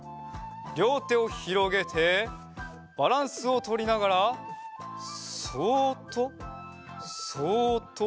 りょうてをひろげてバランスをとりながらそっとそっとそっと。